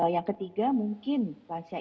yang ketiga mungkin lansia